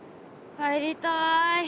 帰りたい。